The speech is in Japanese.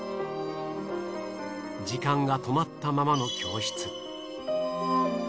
時間が止まったままの教室。